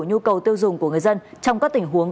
nhu cầu tiêu dùng của người dân trong các tình huống